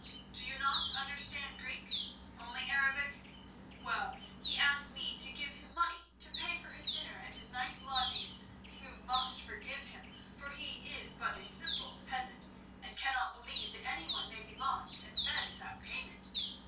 You do not understand Greek—only Arabic? Well, he asks me to give him money to pay for his dinner and his night's lodging. You must forgive him, for he is but a simple peasant, and cannot believe that anyone may be lodged and fed without payment.